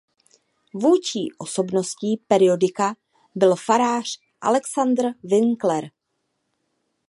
Vůdčí osobností periodika byl farář Alexandr Winkler.